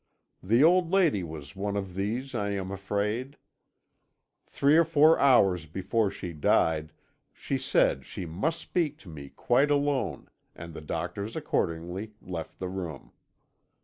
The old lady was one of these, I am afraid. Three or four hours before she died she said she must speak to me quite alone, and the doctors accordingly left the room.